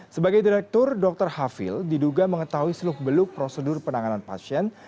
sebagai direktur dr hafil diduga mengetahui seluk beluk prosedur penanganan pasien